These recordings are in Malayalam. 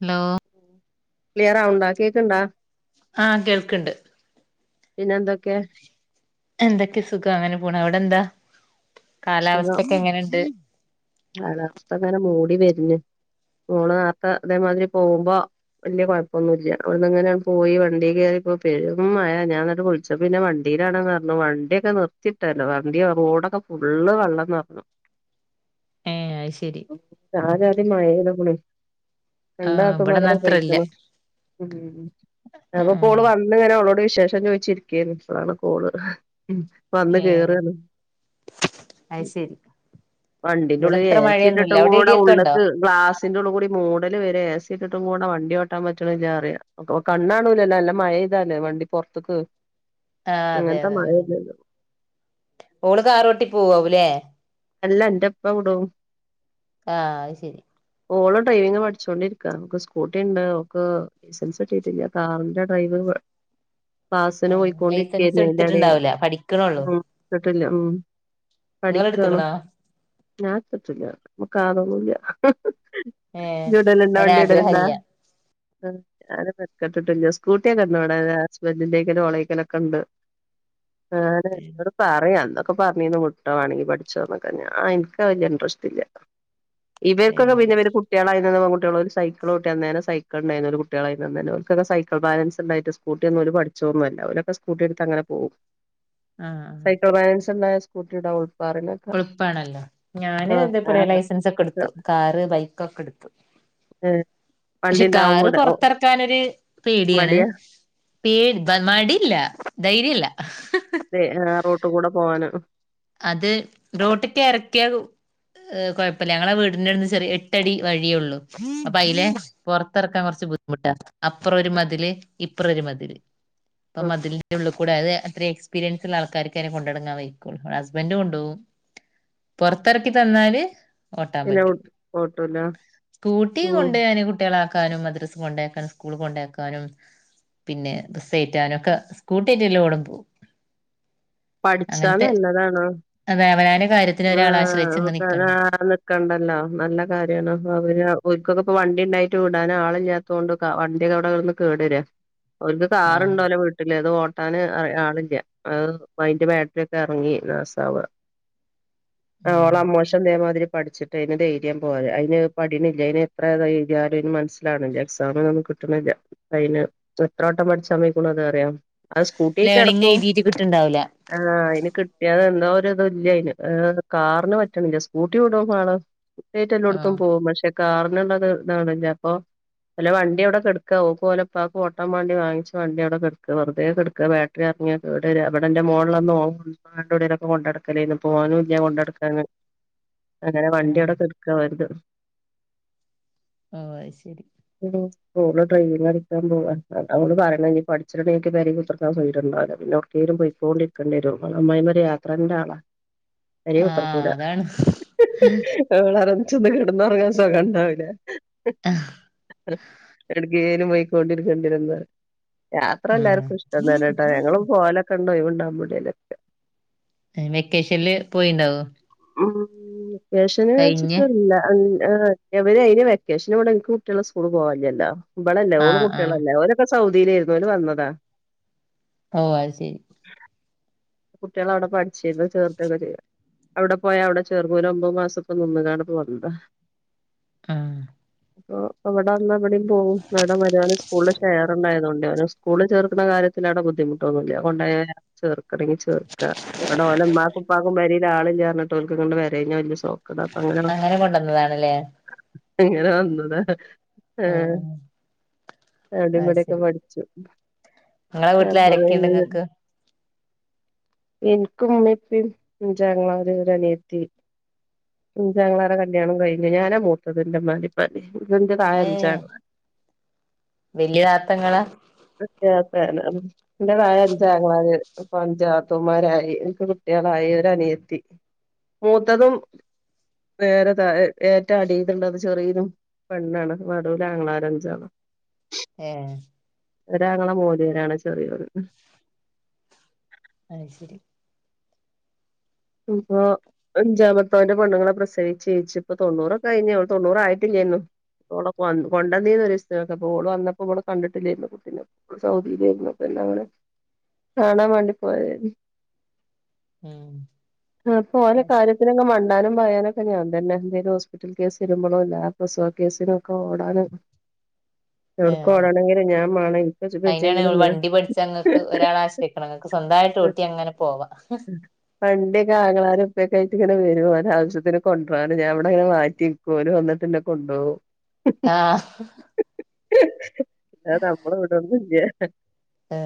ഹലോ ക്ലിലയർ ആവ്ണ്ടോ കേക്ണ്ടാ ആഹ് കേൾക്ക്ണ്ട് പിന്നെന്തൊക്കെ എന്തൊക്കെ സുഖം അങ്ങനെ പോണ്. അവിടെ എന്താ കാലാവസ്ഥക്കെ എങ്ങനെയുണ്ട്? കാലാവസ്ഥങ്ങനെ മൂടി വരുന്ന്. മോള് അതേമാതിരി പോകുമ്പോ വലിയ കുഴപ്പന്നുല്യ. അവിടുന്നങ്ങനെ പോയി വണ്ടി കയറിയപ്പം പെരും മഴ. ഞാനിങ്ങട്ട് വിളിച്ച പക്ഷെ പിന്നെ വണ്ടിയിലാണെന്ന് പറഞ്ഞു വണ്ടിയൊക്കെ നിർത്തിട്ടല്ലോ വണ്ടി റോഡൊക്കെ ഫുള്ള് വെള്ളം നിറഞ്ഞു. ഏഹ് അഹ് ശരി രാവിലെ ആദ്യം മഴ പെയ്തകണേ രണ്ട് ആഹ് നാത്തൂമാർ ഇവിടന്നാ അത്ര ഇല്ല പൊയ്ക്ണ് അപ്പൊ ആഹ് ആഹ് ഓള് വന്ന ഇങ്ങനെ അവളോട് വിശേഷം ചോയിച്ചിരിക്കാണ് അപ്പളാണ് കോള് വന്ന് ഏഹ് കേറാ അത് ശരി വണ്ടിന്റെറെ ഏച്ചിട്ടിട്ടും കൂടെ ഉണ്ടോ ഉള്ളേക്ക് ഗ്ലാസിന്റെറെ ഉള്ള കൂടി മൂടൽ വരെ എ സിക്കിട്ടും കൂടെ വണ്ടിവേ വട്ടാൻ പച്ചണംില്ല അറിയാം അപ്പ കണ്ണാണൂലല്ല അല്ല മഴെയ്തല്ലേ വണ്ടി പൊറത്തക്ക് ആഹ് അതെ അങ്ങനത്തെ അതെ മഴ ഉം ഇല്ല ഓള് കാറോട്ടി പോവാവൂല്ലേ അല്ല എന്റെപ്പ കൂടോ ആഹ് അത് ശെരി ഓളോ ഡ്രൈവിംഗ പഠിച്ചോണ്ടിരിക്ക നമുക്ക് സ്കൂട്ടിണ്ട് അവക്ക് ലൈസൻസ് കട്ടിയിട്ടില്ല കാറിന്റെ ഡ്രൈവർ ലൈസൻസ് അയിന്റെ എടേ എടുത്തിട്ടുണ്ടാവൂല പഠിക്കണള്ളു ഉം ഇട്ത്തിട്ടില്ല ഉം നിങ്ങളെ എടുത്തക്കണാ ഞാത്രട്ടില്ല നമക്ക് കാർ ഒന്നുല്ല ഏഹ് ആതൊന്നുമില്ലുടലുണ്ടാ അയിന് വണ്ടി ഇടലിണ്ടാ ആഗ്രഹല്ല ഉം ഞാനൻ പെർക്കെട്ടില്ല സ്കൂട്ടിക്കെന്ന ഇവിടെ ഹസ്ബൻറിന്റെറെക്കും ഓളേക്കലൊക്കെ ഉണ്ട് എന്നോട് പറയാം എന്നന്നൊക്കെ പറഞ്ഞിന്ന് മുട്ട വണെങ്കി പഠിച്ചോന്ന എനിക്ക് വലിയ ഇൻട്രസ്റ്റ് ഇല്ല ഇവർക്കൊക്കെ ഏഹ് പിന്നെവ കുട്ടികളായി നിന്ന കുട്ടികൾ ഒരു സൈക്കിൾ കുട്ടിയന്നേരം സൈക്കിൾ ഉണ്ടായിരുന്നു ഒരു കുട്ടികളായി തന്നെ അവർക്കേ സൈക്കിൾ ബാലൻസ് ഉണ്ടായിട്ട് സ്കൂട്ടിന്നും അവരെ പഠിച്ചോന്നുല്ല അവരൊക്കെ സ്കൂട്ടി എടുത്ത് അങ്ങെനേ പോകും ആഹ് സൈക്കിൾ ബാലൻസ് ഇണ്ടായ സ്കൂട്ടീടെ [unintelligible] എൾപ്പണല്ലോ ഞാനെ ഇതേപോലെ ആഹ് ലൈസൻസ് ഒക്കെ ഇടുത്തു കാറ് ബൈക്കൊക്കെട്ത്തു ഏഹ് വണ്ടി പക്ഷേ കാറ് ഉണ്ടാവുമ്പോടെ ഓ പൊറത്തെർക്കാനോരു പേടിയാണ് മടിയാ പേ മടില്ല ധൈര്യല്ല തെ ഏഹ് റോട്ടിക്കൂടെ പോവാന് അത് റോട്ടിക്കെറക്ക്യ ഏഹ് കൊയ്പ്പല്ല ഞങ്ങളെ വീടിന്റെ അടുന്ന് ചെറ് എട്ടടി വഴിയൊള്ളു അപ്പൊ അയ്ലെ പൊർത്തെറക്കാൻ കൊർച്ച് ബുദ്ധിമുട്ടാ അപ്രൊ ഒരു മതില് ഇപ്രൊരു മതില് ഇപ്പം മതിൽൻ്റുള്ളിക്കൂടെ അ അത്ര എക്സ്പീരിയൻസിള്ള ആൾക്കാർക്കെ അങ്ങനെ കൊണ്ടടങ്ങാൻ വെയ്ക്കൊള്ളൂ ബൻ്റൊണ്ടോവും പൊർത്തെറക്കി തന്നാല് ഓട്ടാൻ പിന്നെ പറ്റും ഓട്ടൂല സ്കൂട്ടി ഉം കൊണ്ട് ഞാന് കുട്ട്യാളാക് ആക്കാനും മദ്രസ് കൊണ്ടെയാകാനും സ്കൂൾ കൊണ്ടെയാക്കാനും പിന്നെ ബസ്സെയ്റ്റാനൊക്കെ സ്കൂട്ട്യേറ്റ് എല്ലോടൊ പോവും പഠിച്ചാ നല്ലതാണ് അതെ അവനാന് കാര്യ ആഹ് [unintelligible] ക്കണ്ടല്ലോ നല്ല കാര്യാണ് അവര് ഓൽക്കൊക്കപ്പ വണ്ടിണ്ടായിട്ട് വിടാൻ ആളില്ല്യ തോണ്ട് ക വണ്ട്യൊക്കെ അവ്ടെ നിന്ന് കേടെരാ അവർക്ക് ആഹ് കാറിണ്ടോലെ വീ ട്ടില്ല അത് ഓട്ടാൻ അ ആളില്ല അത് അയിന്റെ ബാറ്ററി ഒക്കെ എർങ്ങി നാസാവ ആഹ് ഉം ഓള അമ്മോമോശൻ ഇതേമാതിരി പഠിച്ചി ന് ധൈര്യം പോര അയിന് പഠീണില്ല അയിന് എത്ര ത എയ്ത്യാലും അയിന് മനസിലാണില്ല എക്സാമിനൊന്നും കിട്ടിണില്ല അയിന് പ്പത്രട്ടം പഠിച്ചാൻ പൊയ്ക്കിണ് അത് അറിയോ അത് സ്കൂട്ട്യേറ്റ് ലേണിങ് നടക്കൂ എഴുതിട്ട് കിട്ടുണ്ടാവൂല ആഹ് അയ്ന് കിട്ട്യാത് എന്തോരുത് ഇല്ല്യാ അയ്ന് ഏഹ് കാറിന് പറ്റിണില്ല്യ സ്കൂട്ടി വിടോ ആള് സ്കൂട്ട്യേറ്റ് എല്ലോട്ത്തും ആഹ് പോകും പക്ഷെ കാർനെള്ളത് ഇതാണില്ല അപ്പൊ ഓല വണ്ട്യവിടെ കെടെക്കാ ഓക്കും ഓലെ ഇപ്പാക്കും ഓട്ടാവാണ്ടി വങ്ങിച്ച വണ്ടി അവിടെ കെടെക്ക വെറുതേ കെടെക്കാ എർങ്ങ കേടരാ ഇവടെന്റെ മോള്ളന്ന് [unintelligible] കൊണ്ടടക്കലേ ഓനുല്ല കൊണ്ടടുക്കാന് അങ്ങനെ ആഹ് വണ്ട്യവടെ കടെക്കാ വറുതേ ഓഹ് അയ് ശരി [unintelligible] ഓള് ഡ്രൈവിങ്ങ് പടിക്കാൻപോവാ അവൾ പറേണം ഇനി പഠിച്ചിണെ കൈഞ്ഞിട്ട് പേരെ കുത്തർക്കാൻ സൊയ്ര്യണ്ടാവല പിന്നവ്ട് കേലും പൊയ്ക്കോണ്ടിക്കണ്ടെരും അമ്മായ്മൊര് യാത്രന്റാളാ പെരേ ആഹ് കുത്രക്കൂല അതാണ് [unintelligible] ച്ച് ഒന്ന് കെട്ന്നൊറ്ങ്ങാ സോഖണ്ടാവൂല്ല എടക്കേലും പൊയ്കൊണ്ടിരിക്കണ്ട്യരുന്ന യാത്ര ആഹ് എല്ലാർക്കും ഇഷ്ടം തന്നേട്ടാ ഞങ്ങളും പോലൊക്കെണ്ട് ഒയ്വ്ണ്ടാമ്പൊ എടേലൊക്കെ ഏഹ് വെക്കേഷൻല് പോയീണ്ടാവോ ഉം വെക്കേഷൻല് വെച്ചിട്ടല്ല ഉം ഏഹ് എവര് അയ്ന് വെക്കേഷൻല് ഇവ്ടെ ഇൻക്ക് കുട്ട്യാള് സ്കൂള് പോവാല്ല്യല്ലൊ ഇബളല്ലെ ഓളും ആഹ് ആഹ് കുട്ട്യാളല്ലേ ഓലോ ക്കെ സൗദീലേര്ന്നു ഓല് വന്നതാ ഓഹ് അത് ശരി കുട്ട്യാളവ്ടെ പഠ്ച്ചീന്നു ചേർത്തൊക്കെ ചെയ്യ അവ്ടെ പോയാ അവിടെ ചേർന്നു ഓലൊമ്പത് മാസപ്പം നിന്നിങാണ്ട് ഇപ്പ വന്നതാ ആഹ് പ്പൊ ഇവ്ടെ വന്ന ഇവടിം പോവും മാഡം മര്യോന് സ്കൂൾല് ഷെയറണ്ടായ്തൊണ്ടെ ഓന്സ് കൂളി ചേർക്കിണ കാര്യത്തിലാടെ ബുദ്ധിമുട്ടൊന്നുല്ല കൊണ്ടൊയാ ചേർ ക്കണെങ്കി ചെർക്ക ഇബടെ ഓലെ ഇമ്മാക്കുപ്പാക്കും പെരീൽ ആളില്ലാർഞ്ഞിട്ട് ഓൽക്കിങ്ങട്ട് വെരേഞ്ഞാ വെല്ല്യെ സൊ ക്കട അപ്പ അങ്ങനണ് അങ്ങനെ കൊണ്ടുവന്നതാണല്ലേ അങ്ങന വന്നത ആഹ് ആഹ് അവിടെ ആയ് ഇവിടെയൊക്കെ ശരി പഠിച്ചു ഇങ്ങളെ വീട്ല് അപ്പൊ ആരൊക്കെണ്ട് പിന്നെ ഇങ്ങക്ക് എനിക്ക് ഉമ്മേം ഉപ്പേയും ആഞ്ചാങ്ങളാര് ഒരനിയത്തി അഞ്ചാങ്ങളർടെ കല്യാണം കഴിഞ്ഞ് ഞാനാ മൂത്തത് എന്റെ ഉമ്മാന്റെ ഉപ്പാന്റെ ഇന്റെ താഴ അഞ്ചാങ്ങാള വലിയർഥങ്ങളാ ചേർത്തന്നെ ആണ് എന്റെ തയെ അഞ്ചാങ്ങമാര് പഞ്ചാത്തമാരായി എനിക്ക് കുട്ടികളായി ഒര അനിയത്തി മൂത്തതും നേരെ തയെ ഏറ്റ അടിഡാണ്ടത് ചെറിയതും പെണ്ണാണ് വടുല ആംഗങ്ങളാരഞ്ചാണ് ഏഹ് ഒരങ്ങള മോദിലാണ് ചെറിയത് ഉം അയ് ശരി ഇതൊ അഞ്ചാമത്തവന്റെ പെണ്ണ്ങ്ങളെ പ്രസവിച്ച്ച്ച് ഇപ്പ തൊണ്ണറൊക്കെ കഴിഞ്ഞള് തൊണ്ണൂറ ആയിട്ടില്ലോന്നോ ഓടെ കൊണ്ട കൊണ്ടന്നീന്നൊരു ഇഷ്ടം ഒക്കെ ഓള് വന്ന്അപ്പൊ ഓള് വന്നപ്പോ ഇവിടെ കണ്ടിട്ടില്ലായിരുന്നു കുട്ടിനെ സൗദിലിരുന്നപ്പോ പിന്നെ അങ്ങനെ കാണാൻ വേണ്ടി പോയരുന്നു ആഹ് ആപ്പൊ ഓരോ കാര്യത്തിനുള്ള മ ഒടാനും പയാനൊക്കെ ഞാൻതന്നെ എന്തേലും ഹോസ്പിറ്റൽ കേസ് ഇരുമ്പോഴോ അല്ല പ്രസവ കേസില് ‌ ഒക്കെ ഓടാനും ആ എവിടക്ക് ഓടണെങ്കിലും ഞാൻ മാണം എനിക്ക് അയിനാണ് വെച്ചെങ്കിലും ഞാൻ വണ്ടി പഠിച്ച അങ്ങക്ക് ഒരാൾ ആ കേക്കണങ്ങക്ക് സ്വന്തയിട്ട് ഊട്ടി അങ്ങനെ പോവാ വണ്ടിക്കെ ആങ്ങാളാരൊപ്പൊക്കെയിട്ട് ഇങ്ങനെ വരുംഓരോ ആവശ്യത്തിന് കൊണ്ട പോകന് ഞാൻ ഇവിടെ ഇങ്ങനെ മാറ്റി ഓല് വന്നിട്ടന്നെ കൊണ്ടോകും ആഹ് ആ നമ്മൾ ഇവിടൊന്നു ഇല്ല്യ ഏ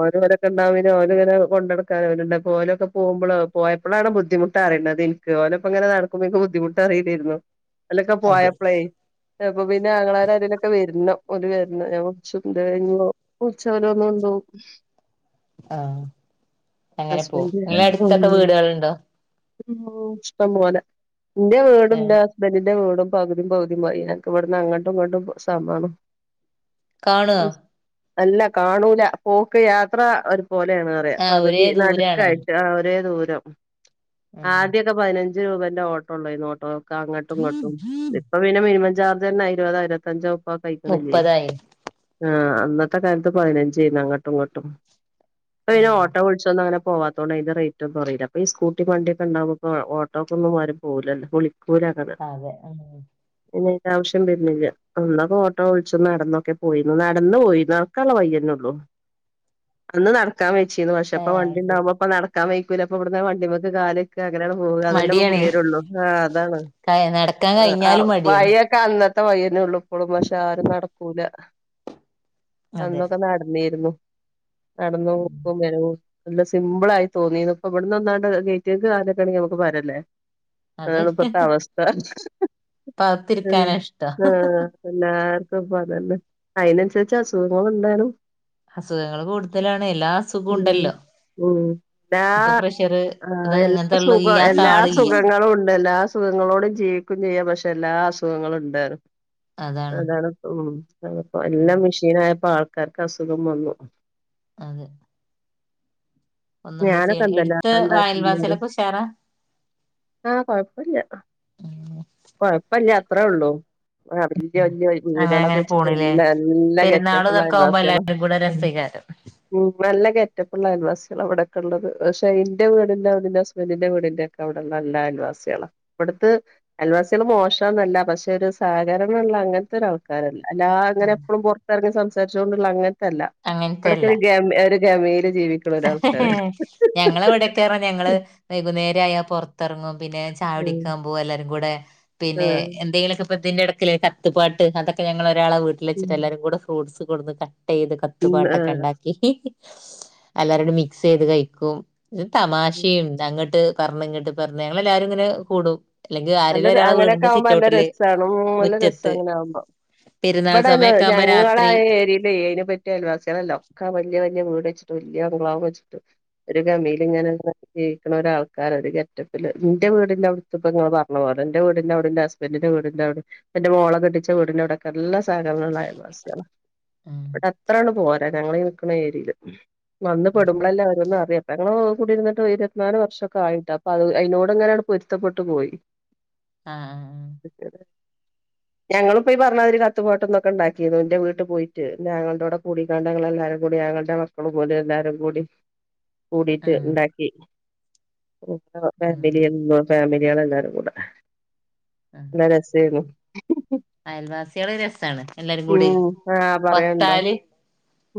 ഓര് വ്ടെ ടെണ്ടാവുമ്പോ പിന്നെ ഓര് ങ്ങനെ കൊണ്ടടക്കാനോല്ണ്ടപ്പോ ഓലൊക്കെ പോകുമ്പളാ പോയപ്പളാണ് ബുദ്ധിമുട്ടറിണതേയ് ക്ക്‌ ഓലെപ്പ ഇങ്ങനെ നടക്കുമ്പൊ ൻക്ക് ബുദ്ധിമുട്ട് അറീലേര്ന്നു ഒല്ലൊക്കെ അതെ പോയപ്പളേയ് യപ്പൊ പിന്നെ ആങ്ങളാരാരേലൊക്കെ വെര്ണം ഓല് വെര്ണം ഞാൻ കുചുന്ത കഴിഞ്ഞോ പുട്ച് ഓല് വന്ന് കൊണ്ടോവും ആഹ് അങ്ങനെ പോവും ഇങ്ങളെ അടുത്തൊക്കെ വീടുകളുണ്ടോ ഓ ഇഷ്ടം പോലെ ന്റെ വീടും ഏ ന്റെ ഹസ് ബന്റിന്റെ വീടും പകുതിം പകുതിം മാരിയാണ് ഞങ്ങക്ക് ഇവട്ന്ന് അങ്ങട്ടും ഇങ്ങട്ടും സമാണ് കാണോ അല്ല കാണൂല പോക്ക് യാത്ര ഒര് പോലേണ് പറയാ ആ ഒരേ പകുതി ദൂരാണ് നടുക്കായിട്ട് ഒരേ ദൂരം ഉം ആദ്യൊക്കെ പതിനഞ്ച് രൂപന്റെ ഓട്ടോ ഒള്ളോയ്ന്ന് ഓട്ടോയ്ക്ക്‌ അങ്ങട്ടും ഇങ്ങട്ടും ഇപ്പ് പ്പപിന്നെ മിനിമം ചാർജെന്നെ ഇരുപതോ ഇരുവത്തഞ്ചോ മുപ്പൊക്കെ അയ്ക്ക്‌ണില്ലേ മുപ്പതായി ആഹ് അന്നത്തെ കാലത്ത് പതിനഞ്ചേയ്ന്ന് അങ്ങട്ടും ഇങ്ങട്ടും പ്പയ്ന് ഉം ഓട്ടോ വിളിച്ചൊന്നും അങ്ങനെ പോവാ ത്തോണ്ട് അയ്ന്റെ റെയ്റ്റൊന്നും അറീല ഇപ്പ ഈ സ്കൂട്ടി വണ്ടിഒക്കെണ്ടാവുമ്പപ്പൊ ഓട്ടോക്കൊന്നും മാരി പോവുലല്ല വിളിക്കൂല അങ്ങനെ അതെ ആഹ് പിന്നെ അയ്‌ന്റെ ആവശ്യം വെര്നില്ല അന്നൊക്കെ ഓട്ടോ വിളിച്ച് നടന്നൊക്കെ പോയിന്ന്. നടന്ന് പോയിന്ന് നടക്കാൻള്ളെ വയ്യെന്നൊള്ളു അന്ന് നടക്കാൻ വെയ്ച്ചിന്നു ഏ പക്ഷെപ്പൊ അത് ശരി വണ്ടിണ്ടാവുമ്പോ പ്പൊ നടക്കാൻ വെയ്ക്കൂല പ്പവിടുന്ന് ആണ് വണ്ടിമ്മക്ക് കാല് വെ ക്കാ അങ്ങനാണ്ട് പോവ അതെന്നെ പ്പൊ മടിയാണേ പുടിയാടൊള്ളൂ ആഹ് അതാണ് നടക്കാൻ ആഹ് കഴിഞ്ഞാലും മടിയാണ് വഴിഒ ക്കെ അന്നത്തെ വഴിന്നെ ഒള്ളു ഇപ്പളും പക്ഷെ ആരും നടക്കൂല അതെ അന്നൊക്കെ നടന്നിരുന്നു നടന്നു പോക്കും വരവും നല്ല സിമ്പിൾ ആയി തോന്നിന്നു ഇപ്പൊ ഇവിടുന്ന് ഒന്നാണ്ട് ഗേറ്റ്ങ്ങക്ക് കാലെക്കണെങ്കി നമുക്ക്‌ ഭാരല്ലേ അതാണ് പ്പത്തെഅവസ്ഥ പ്പ അകത്തിരിക്കാന ഇഷ്ടം എല്ലാർക്കും പ്പൊ അതന്നെ അയ്നനുസരിച്ച് അസുഖങ്ങള് ഇണ്ടെനും അസുഖങ്ങള് കൂടുതലാണ് എല്ലാ അസുഖോ ഉം ഉണ്ടല്ലോ ഉം എല്ലാ ഇപ്പൊ പ്രഷർ അത് ആഹ് എല്ലാ അങ്ങനത്തെള്ള സുഖം ഇല്ലാത്ത എല്ലാ ആളില്ല സുഖങ്ങളുംണ്ട് എല്ലാ സുഖങ്ങളോടിം ജീവിക്കും ചെയ്യാ പക്ഷെ എല്ലാ അസുഖങ്ങളും ഇണ്ടേയ്നു അതാണ് പ്പൊ ഉം ഉം അതാണ് പ്പ എല്ലാം മെഷീൻ ആയപ്പോ ആൾക്കാർക്ക് അസുഖം വന്നു അതെ ഒന്ന് നമ്മൾ ചെയ്യ ഞാനൊക്കെ എന്തെല്ലാം എടുത്ത ണ്ടാക്കിന് അറിയോ അയൽവാസികളൊക്കെ ഉഷാറാ ആഹ് കൊഴപ്പല്ല്യ കൊഴപ്പല്ല്യ അത്രഒള്ളൂ ആഹ് വല്യെ വല്യെ അങ്ങനെ വീടാളൊക്കെ അങ്ങനെ വെച്ചിപ്പോ പോണില്ലേ നല്ല നല്ല പെരുന്നാള് ഗെറ്റപ്പുള്ള അയൽ ഇതൊക്കെ ആവുമ്പോ വാസിയോളും എല്ലാരും കൂടെ ഉം രസേക്കാരം ഉം നല്ല ഗെറ്റപ്പ്ള്ള അയാൽവാസിയാള ഇവിടെ ഒക്കെള്ളത് പക്ഷെ ഇന്റെ വീടിന്റെ ന്റെ ഹസ്ബൻന്റിന്റെ വീടിന്റെ ക്കെ അവ്ടെള്ള നല്ല അയൽവാസിയാളാ ഇവിട്ത്ത് അയൽവാസിയാള് മോശാന്നല്ല പക്ഷെ ഒരു സഹകരണള്ള അങ്ങനത്തെ ഒരു ആ ക്കാരല്ല അല്ലാങ്ങനെ എപ്പളും പൊറത്തറങ്ങി സംസാരിച്ചോണ്ടുള്ള അങ്ങനത്തെ അല്ല ഇവിടെക്കെ ഒരു ഗമ ഒരു ഗമേല് ജീവിക്ക്‌ ഞങ്ങളെ ഇവടെക്കെറഞ്ഞ ഞങ്ങള് വൈകുന്നേരായാ പൊർ ത്തെറങ്ങും പിന്നെ ചായ ഉം കുടിക്കാൻ പോവും എല്ലാരും കൂടെ പിന്നെ ആഹ് എന്തെങ്കിലൊക്കെ ഇതിന്റെ എടക്കല്ലേ ക കത്ത് പാട്ട് അതൊക്കെ ഞങ്ങളൊരാളെ ഉം വീട്ടിലെച്ച്ട്ട് എല്ലാരും കൂടെ ഫ്രൂട്ടസ് കൊട്ന്ന് കട്ടെയ്ത് കത്ത് ഉം ആഹ് പാട്ടൊക്കെണ്ടാക്കി എല്ലാരും കൂടെ മിക്സ് ചെയ്ത് കഴിക്കും ഇ തമാശയും അങ്ങട്ട് പർഞ്ഞ് ഇങ്ങട്ട് പർഞ്ഞ് ഞങ്ങളെല്ലാരും ങ്ങനെ കൂടും അല്ലെങ്കിൽ ആരെങ്കിലും നല്ല ഒരാളെ അങ്ങനെയൊക്കെ വീടിന്റെ ആകുമ്പോ നല്ല സിറ്റൗട്ടില് രസമാണ് മ് നല്ല രസം മുറ്റത്ത് അങ്ങനെ ആകുമ്പോൾ പെരുന്നാൾ ഇവിടെന്ന് സമയൊക്കെ ആകുമ്പോ ഞങ്ങളുടെ ആ രാത്രി ഏരിയയില് അയിനെ പറ്റി പറ്റിയ അലവാസികളെല്ലാം ഒക്കെ വലിയ വലിയ വീട് വച്ചിട്ട് വലിയ ഗ്ലാവ് വച്ചിട്ട് വല്ല്യ ഗാമില് ഇങ്ങനെ ജീവിക്കണ ഒരാൾക്കാര ഒരു കെറ്റപ്പില് ഇന്റെ വീടിന്റെ അടുത് ഇപ്പൊ നിങ്ങൾ എന്റെ വീടിന്റെ അവിടിന്റെ ഹസ്ബൻ്റിന്റെ വീടിന്റെ അവിടെ എന്റെ മോളെ കെട്ടിച്ച വീടിന്റെ അവിടെകെ എല്ലാ സധനങ്ങളു ണ്ടായ്താ അ ആഹ് ഇവിടെ അത്രാണ് പോരാ ഞങ്ങൾ നിക്കുന്ന ഏരിയയില് വന്ന് പെടുമ്പോളല്ലേ ഓരോന്നും അറിയ നങ്ങൾ കൂടിരുന്നിട്ട് ഇരുവതിനാല് വർഷൊക്കെ ആയിട്ട് അപ്പൊ അത് അതിനോട് ഇങ്ങനെയാണ് പൊരുത്തപ്പെട്ടു പോയി ആഹ് ആ ആ് ഓക്കെ ഞങ്ങളും ഇപ്പൊ പറഞ്ഞാതിരി കത്തുപാട്ടൊന്നൊക്കെ ഉണ്ടാക്കിരുന്നു എന്റെ വീട്ട് പോയിട്ട് ആങ്ങളോടെ പോയിട്ട് കൂടിക്കാണ്ട് ഞങ്ങൾ എല്ലാരും കൂടി ആങ്ങളുടെ മക്കള പോലെ എല്ലാവാരും കൂടി കൂടിട്ട് ആഹ് ഉണ്ടാക്കി ഫാമിലി ഫാമിലികളൾ എല്ലാവരും നല്ല രസോരുന്ന് അയൽവാസികൾ രസാണ് എല്ലാരും കൂടി ഉം ആഹ് പറയണ്ടോ ഒത്താല്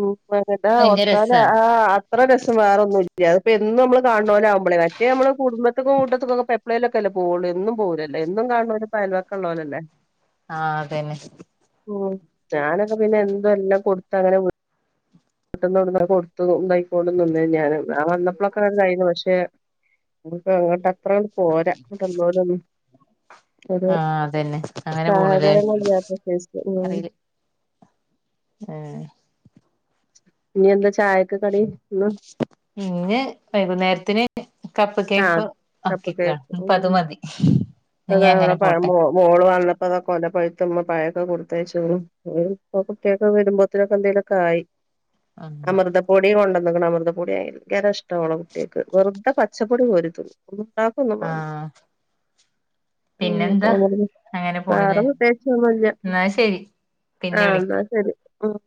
ഉ അന ആ ഭയങ്കര ഒത്താല രസാണ് ആ അത്ര രസം വേറെ ഒന്നുംല്ല അപ്പൊ എന്നും നമ്മൾ കാണുന്നോൽ നമ്മളെ മറ്റേ നമ്മൾ കുടുംബത്തിക്കും കൂട്ടത്തക്കും എപ്പോളേലൊക്കെല്ല പോവുള്ളൂ എന്നും പോവൂലല്ലോ എന്നും കാണു അയൽവാക്ക ഉള്ളലല്ലേ ആഹ് അതന്നെ ഉ ഞാനൊക്കെ പിന്നെ എന്തോ എല്ലാം കൊടുത്ത് അങ്ങനെ വി പട്ട കൊടുത്ത ഉണ്ടായിക്കോന്നുന്നേ ഞാൻ ആ വന്നപ്പോളൊക്കെ ഇണ്ടായീന്നു പക്ഷെ നമ്മക്ക് അങ്ങോട്ട് അത്ര ക് പോരാ അങ്ങോട്ടന്നോരൊന്നും അത് ആഹ് അതന്നെ അങ്ങനെ പോണില്ലേ സഹകര ഏ ഇനി എന്താ ചായക്ക് കടി ഇന്ന് ഇന്ന് വൈകുന്നേരത്തിന് കപ്പ് കേക്ക് ആഹ് കപ്പ് ആക്കിക്ക കേക്ക് ഇപ്പൊ ഉം അത് മതി അതാ ഇനി അവിടെ അങ്ങനെ പഴ പോട്ടെ മോള് വന്നപ്പോ അത് കൊല പഴുത്തുമ്പോ പഴയൊക്കെ കൊടുത്തയച്ചു ഇപ്പൊ കുട്ടിയൊക്കെ വരുമ്പോത്തനൊക്ക എന്തേലുമൊക്കെ ആയി ആഹ് അമൃതപ്പൊടി കൊണ്ടന്ന്ക്ക്ണ് അമൃതപ്പൊടി ഭയങ്കര ഇഷ്ടാ ഓളെ കുട്ടികൾക്ക് വെറുതെ പച്ച പച്ചപ്പൊടി കോരി തിന്നും ആഹ് ഉ പിന്നെന്താ അങ്ങനെ വേറെ പോണില്ലേ പ്രത്യേകിച്ചൊന്നുമില്ല എന്നാ ശരി പിന്നെ ആ എന്നാ വിളിക്കാം ശരി മ്